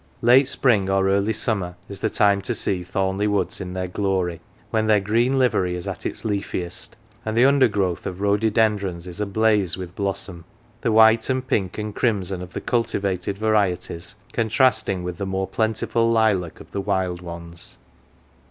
Late spring or early summer is the time to see Thornleigh woods in their glory ; when their green livery is at its leafiest, and the undergrowth of rhododendrons is ablaze with blossom ; the white and pink and crimson of the cultivated varieties contrasting with the more plentiful lilac of the wild ones.